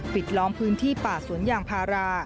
ปิดล้อมพื้นที่ป่าสวนอย่างภาระ